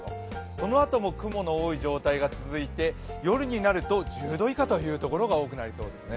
そのあとも雲の多い状態が続いて、夜になると１０度以下というところが多そうですね。